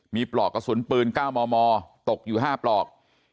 มีปลอกกระสุนปืน๙มมตกอยู่๕ปลอก